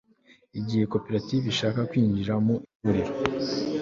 igihe koperative ishaka kwinjira mu ihuriro